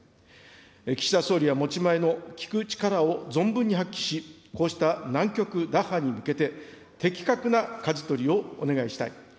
岸田総理は持ち前の聞く力を存分に発揮し、こうした難局打破に向けて、的確なかじ取りをお願いしたい。